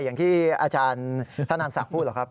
อย่างที่อาจารย์ธนันศักดิ์พูดหรอกครับ